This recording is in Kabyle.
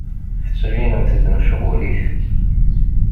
Ttettbinemt-d mecɣulit.